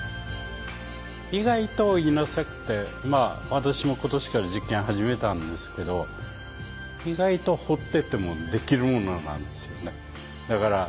意外と稲作ってまあ私も今年から実験を始めたんですけど意外とほっててもできるものなんですよね。